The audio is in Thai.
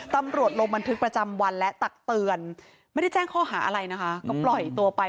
ตำรวจลงบันทึกประจำวันและตักเตือนไม่ได้แจ้งข้อหาอะไรนะคะก็ปล่อยตัวไป